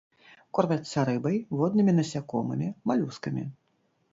Кормяцца рыбай, воднымі насякомымі, малюскамі.